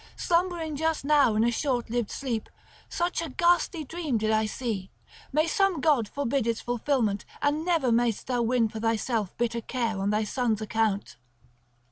Slumbering just now in a short lived sleep such a ghastly dream did I see—may some god forbid its fulfilment and never mayst thou win for thyself bitter care on thy sons' account."